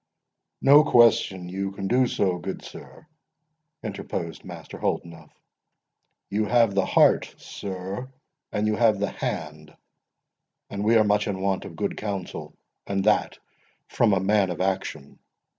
"No question you can do so, good sir;" interposed Master Holdenough; "you have the heart, sir, and you have the hand; and we are much in want of good counsel, and that from a man of action.